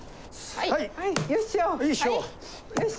はい！